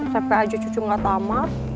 sampai aja cucu nggak tamat